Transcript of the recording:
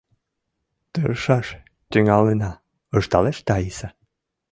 — Тыршаш тӱҥалына, — ышталеш Таиса.